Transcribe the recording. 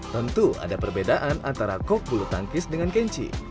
tentu ada perbedaan antara kok bulu tangkis dengan kenchi